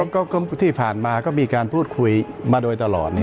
ก็ที่ผ่านมาก็มีการพูดคุยมาโดยตลอด